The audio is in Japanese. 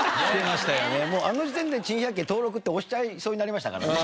もうあの時点で珍百景登録って押しちゃいそうになりましたからね。